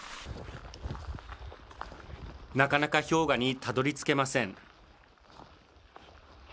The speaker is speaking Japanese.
なかなか氷河にたどりつけません。